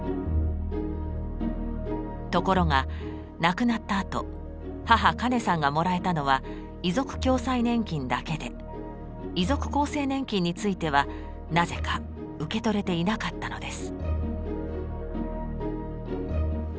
ところが亡くなったあと母・カネさんがもらえたのは遺族共済年金だけで遺族厚生年金についてはなぜか受け取れていなかったのです。